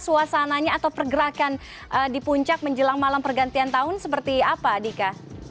suasananya atau pergerakan di puncak menjelang malam pergantian tahun seperti apa dika